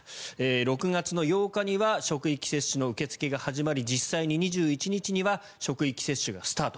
６月８日には職域接種の受け付けが始まり実際に２１日には職域接種がスタート。